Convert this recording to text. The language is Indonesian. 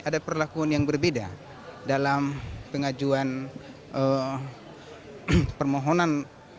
ada perlakuan yang berbeda dalam pengajuan permohonan